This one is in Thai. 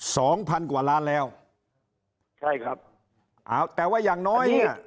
สองพันกว่าล้านแล้วใช่ครับเอาแต่ว่าอย่างน้อยเนี้ย